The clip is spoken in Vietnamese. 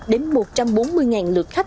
đến một trăm bốn mươi lượt khách